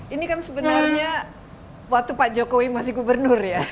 ini kan sebenarnya waktu pak jokowi masih gubernur ya